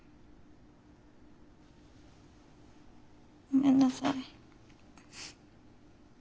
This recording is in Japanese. ごめんなさい。